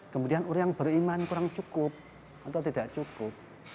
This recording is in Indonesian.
kemudian orang yang beriman kurang cukup atau tidak cukup